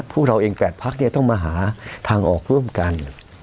พวกเราเอง๘พักต้องมาหาทางออกร่วมกัน